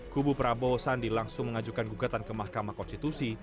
kubu prabowo sandi langsung mengajukan gugatan ke mahkamah konstitusi